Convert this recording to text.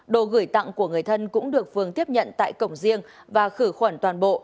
đồ gửi tặng của người thân cũng được phường tiếp nhận tại cổng riêng và khử khuẩn toàn bộ